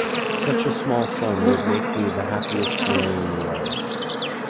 Such a small sum would make me the happiest man in the world.